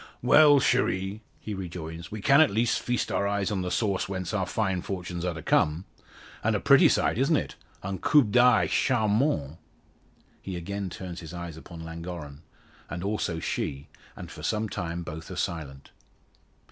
"Well, cherie;" he rejoins, "we can at least feast our eyes on the source whence our fine fortunes are to come. And a pretty sight it is, isn't it? Un coup d'oeil charmant!" He again turns his eyes upon Llangorren, as also she, and for some time both are silent.